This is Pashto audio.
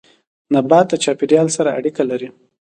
نبات د چاپيريال سره اړيکه لري